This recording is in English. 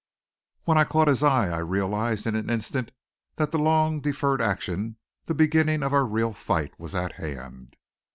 When I caught his eye I realized in an instant that the long deferred action, the beginning of our real fight was at hand.